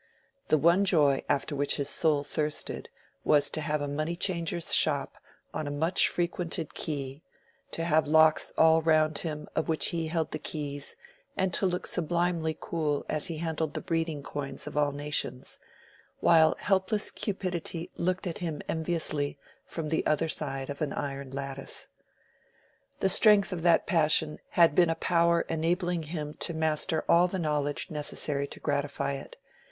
The one joy after which his soul thirsted was to have a money changer's shop on a much frequented quay, to have locks all round him of which he held the keys, and to look sublimely cool as he handled the breeding coins of all nations, while helpless Cupidity looked at him enviously from the other side of an iron lattice. The strength of that passion had been a power enabling him to master all the knowledge necessary to gratify it.